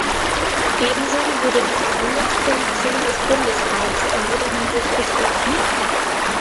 Ebenso würde die Verhandlungsposition des Bundesrats in jeder Hinsicht geschwächt.